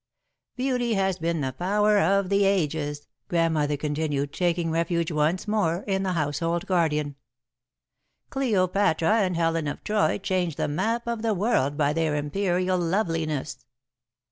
"'Beauty has been the power of the ages,'" Grandmother continued, taking refuge once more in The Household Guardian. "'Cleopatra and Helen of Troy changed the map of the world by their imperial loveliness.'"